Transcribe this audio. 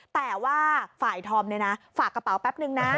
แต่ว่าฝ่ายธอมเนี่ยนะฝากกระเป๋าแป๊บนึงนะ